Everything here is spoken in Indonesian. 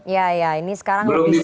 ya ya ini sekarang lebih sedikit